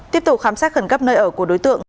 tiếp tục khám xét khẩn cấp nơi ở của đối tượng